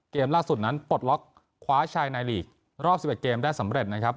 เกมล่าสุดนั้นปลดล็อกคว้าชายในลีกรอบ๑๑เกมได้สำเร็จนะครับ